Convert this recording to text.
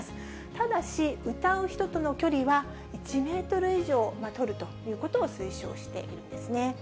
ただし、歌う人との距離は１メートル以上取るということを推奨しているんですね。